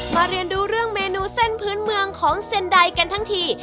เรียนรู้เรื่องเมนูเส้นพื้นเมืองของเซ็นไดกันทั้งที